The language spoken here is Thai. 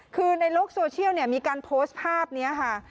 คือในโลกโซเชียลมีการโพสต์ภาพนี้ค่ะ